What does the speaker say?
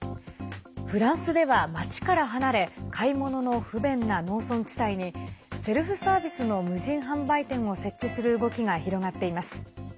フランスでは街から離れ買い物の不便な農村地帯にセルフサービスの無人販売店を設置する動きが広がっています。